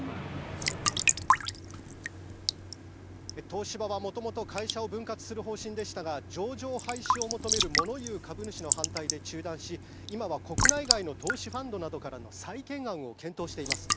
東芝は元々会社を分割する方針でしたが上場廃止を求める物言う株主の反対で中断し今は国内外の投資ファンドなどからの再建案を検討しています。